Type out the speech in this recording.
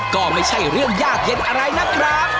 ก็ไม่ใช่เรื่องยากเย็นอะไรนะครับ